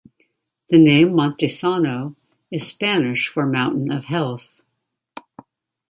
The name "Monte Sano" is Spanish for "Mountain of health".